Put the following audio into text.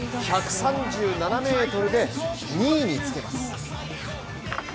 １３７ｍで、２位につけます。